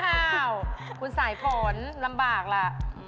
อ้าวคุณสายฝนลำบากล่ะ